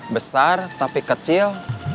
besar tapi kecil